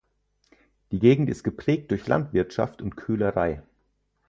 Die Gegend ist geprägt durch Landwirtschaft und Köhlerei.